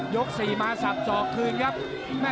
ยกสี่มาสับส่อคืนนี้